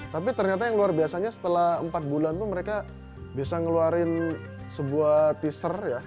tapi ternyata yang luar biasanya setelah empat bulan itu mereka bisa ngeluarin sebuah teaser ya